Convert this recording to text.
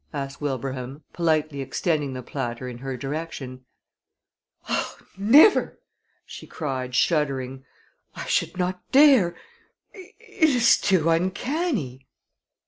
asked Wilbraham, politely extending the platter in her direction. "Never!" she cried, shuddering. "I should not dare. It is too uncanny."